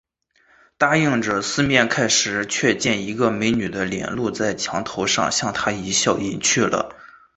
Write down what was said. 答应着，四面看时，却见一个美女的脸露在墙头上，向他一笑，隐去了